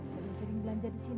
selalu seling belanja di sini ya